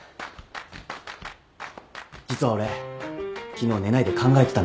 実は俺昨日寝ないで考えてたんですよ。